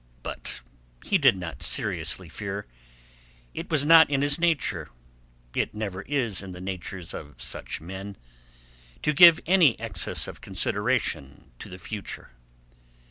But he did not seriously fear. It was not in his nature—it never is in the natures of such men—to give any excess of consideration to the future.